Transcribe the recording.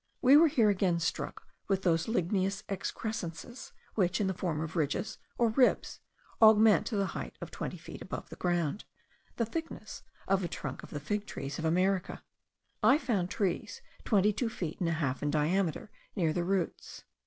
We were here again struck with those ligneous excrescences, which in the form of ridges, or ribs, augment to the height of twenty feet above the ground, the thickness of the trunk of the fig trees of America. I found trees twenty two feet and a half in diameter near the roots.